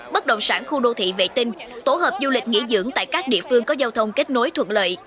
bất động sản khu đô thị vệ tinh tổ hợp du lịch nghỉ dưỡng tại các địa phương có giao thông kết nối thuận lợi